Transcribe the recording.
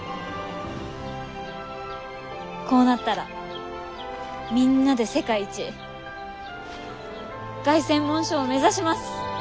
こうなったらみんなで世界一凱旋門賞を目指します！